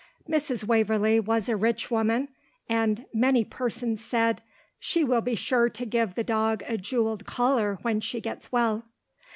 Mrs. Waverlee was a rich woman, and many persons said, "She will be sure to give the dog a jewelled collar when she gets well."